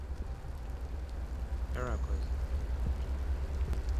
Heracles erected a tomb for him.